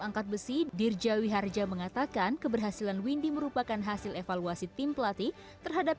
angkat besi dirja wiharja mengatakan keberhasilan windy merupakan hasil evaluasi tim pelatih terhadap